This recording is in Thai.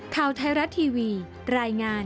ข่าวไทยรัฐทีวีรายงาน